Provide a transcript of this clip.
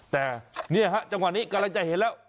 แต่เนี่ยฮะจังหวะนี้กำลังจะเห็นแล้ว